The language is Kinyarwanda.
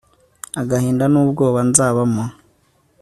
agahinda n'ubwoba nzabamo